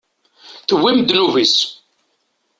Tewwim ddnub-is.